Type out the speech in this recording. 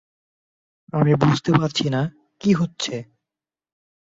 আমি বুঝতে পারছি না, কি হচ্ছে!